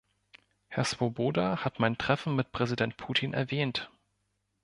Herr Swoboda hat mein Treffen mit Präsident Putin erwähnt.